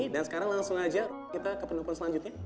dan sekarang langsung aja kita ke penelpon selanjutnya